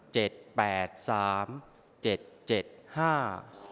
แปดสามเจ็ดเจ็ดห้า